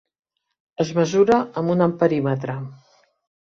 Es mesura amb un amperímetre.